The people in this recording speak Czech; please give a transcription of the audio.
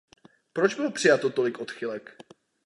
Proč bylo přijato tolik odchylek?